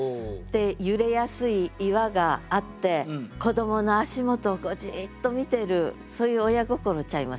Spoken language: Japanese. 揺れやすい岩があって子どもの足元をじっと見てるそういう親心ちゃいます？